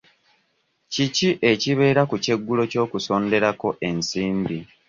Kiki ekibeera ku kyeggulo ky'okusonderako ensimbi?